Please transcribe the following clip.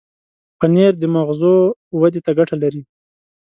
پنېر د مغزو ودې ته ګټه لري.